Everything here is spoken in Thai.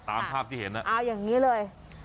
ตามภาพที่เห็นเอาอย่างนี้เลย